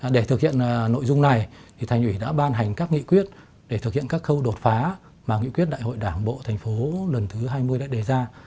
để thực hiện nội dung này thành ủy đã ban hành các nghị quyết để thực hiện các khâu đột phá mà nghị quyết đại hội đảng bộ thành phố lần thứ hai mươi đã đề ra